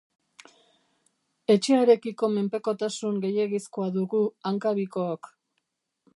Etxearekiko menpekotasun gehiegizkoa dugu hankabikook.